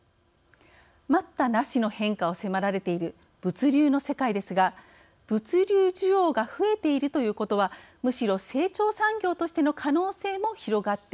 待ったなしの変化を迫られている物流の世界ですが物流需要が増えているということはむしろ成長産業としての可能性も広がっているという面もあります。